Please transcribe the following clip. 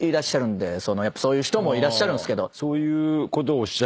そういう人もいらっしゃるんすけど。